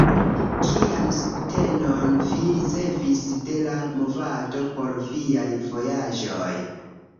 Kian subtenon vi ricevis de la movado por viaj vojaĝoj?